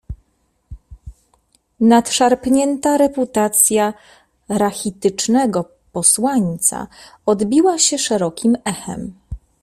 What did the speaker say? Nadszarpnięta reputacja rachitycznego posłańca odbiła się szerokim echem.